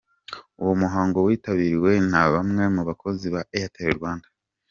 Uwo muhango witabiriwe na bamwe mu bakozi ba Airtel Rwanda.